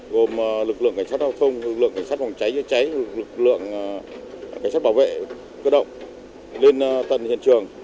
gồm lực lượng cảnh sát giao thông lực lượng cảnh sát phòng cháy lực lượng cảnh sát bảo vệ cơ động lên tầng hiện trường